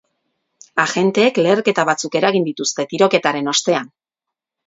Agenteek leherketa batzuk eragin dituzte tiroketaren ostean.